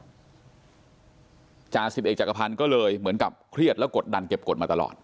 จาสิบเอกจักรพันธ์ก็เลยเหมือนกับเครียดแล้วกดดันเก็บกฎมาตลอด